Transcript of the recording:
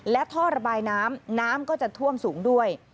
และท่อระบายน้ำน้ำก็จะท่วมสูงด้วย